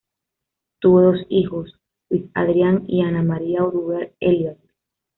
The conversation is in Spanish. Tuvo dos hijos, Luis Adrián y Ana María Oduber Elliott.